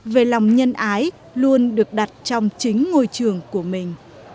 về lòng nhân ái luôn được đặt trong chính ngôi trường của mình